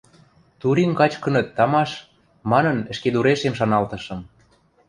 «Турим качкыныт, тамаш», – манын, ӹшкедурешем шаналтышым.